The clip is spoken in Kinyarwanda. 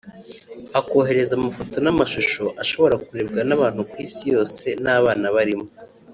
akohereza amafoto n’amashusho ashobora kurebwa n’abantu ku isi yose n’abana barimo